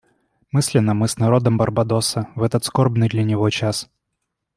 Мысленно мы с народом Барбадоса в этот скорбный для него час.